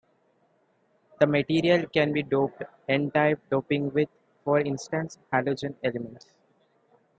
The material can be doped n-type doping with, for instance, halogen elements.